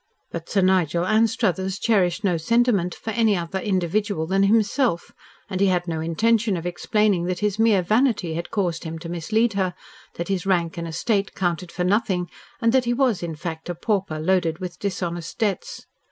But Sir Nigel Anstruthers cherished no sentiment for any other individual than himself, and he had no intention of explaining that his mere vanity had caused him to mislead her, that his rank and estate counted for nothing and that he was in fact a pauper loaded with dishonest debts.